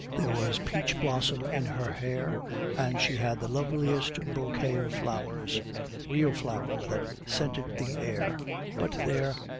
There was peach blossom in her hair, and she had the loveliest bouquet of flowers real flowers, that scented the air but there!